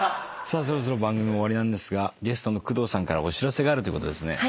そろそろ番組も終わりですがゲストの工藤さんからお知らせがあるということですね。